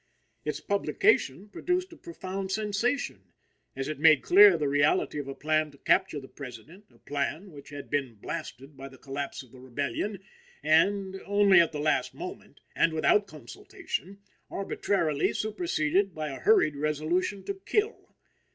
Its publication produced a profound sensation, as it made clear the reality of a plan to capture the President; a plan, which had been blasted by the collapse of the Rebellion and, only at the last moment and without consultation, arbitrarily superseded by a hurried resolution to kill.